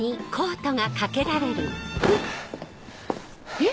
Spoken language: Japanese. えっ？